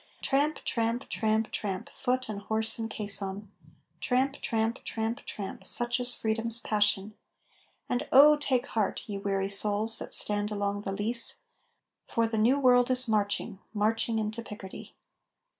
Tramp, tramp, tramp, tramp, Foot and horse and caisson Tramp, tramp, tramp, tramp, Such is Freedom's passion And oh, take heart, ye weary souls that stand along the Lys, For the New World is marching, marching into Picardy!